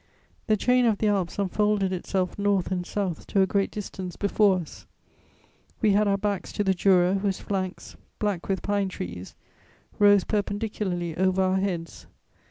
The chain of the Alps unfolded itself north and south to a great distance before us; we had our backs to the Jura, whose flanks, black with pine trees, rose perpendicularly over our heads.